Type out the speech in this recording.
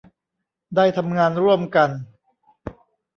ได้ทำงานร่วมกัน